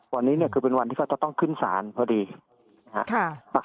วันนี้เนี่ยคือเป็นวันที่เขาจะต้องขึ้นศาลพอดีนะครับ